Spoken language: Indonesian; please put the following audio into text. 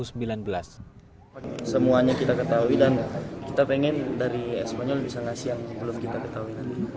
semuanya kita ketahui dan kita pengen dari spanyol bisa ngasih yang belum kita ketahui